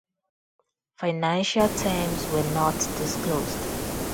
Financial terms were not disclosed.